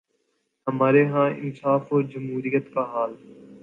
ہمارے ہاں انصاف اور جمہوریت کا حال۔